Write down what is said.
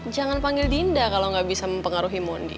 jangan panggil dinda kalo gak bisa mempengaruhi mondi